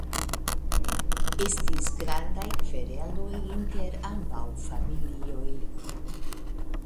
Estis grandaj kvereloj inter ambaŭ familioj.